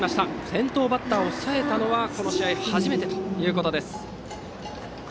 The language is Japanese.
先頭バッターを抑えたのはこの試合、初めてということです。